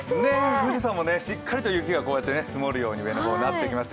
富士山もしっかりと上の方、雪が積もるようになってきました。